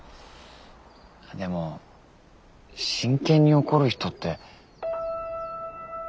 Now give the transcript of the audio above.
でも真剣に怒る人って。